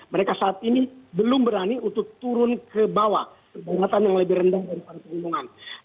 mereka saat ini belum berani untuk turun ke bawah ke bangga daratan yang lebih rendah dari panggungan